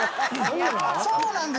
そうなん？